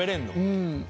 うん。